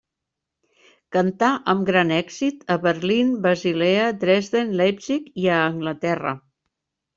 Cantà amb gran èxit a Berlín, Basilea, Dresden, Leipzig i a Anglaterra.